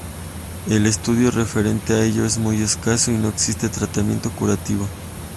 El estudio referente a ella es muy escaso y no existe tratamiento curativo.